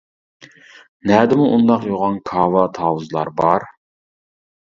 نەدىمۇ ئۇنداق يوغان كاۋا، تاۋۇزلار بار.